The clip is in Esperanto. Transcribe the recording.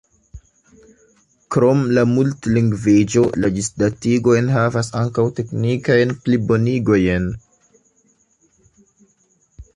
Krom la multlingviĝo la ĝisdatigo enhavas ankaŭ teknikajn plibonigojn.